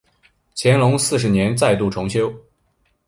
乾隆四十年再度重修。